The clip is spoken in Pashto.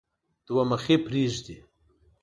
دوه مخي پريږدي.